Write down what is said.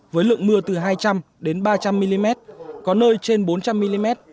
với lượng mưa từ hai trăm linh đến ba trăm linh mm có nơi trên bốn trăm linh mm